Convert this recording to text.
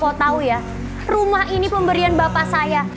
po asal po tau ya rumah ini pemberian bapak saya